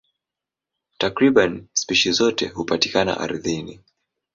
Takriban spishi zote hupatikana ardhini.